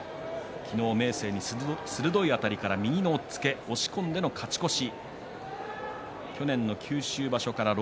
明生、鋭いあたりから右の押っつけ押し込んでの勝ち越し。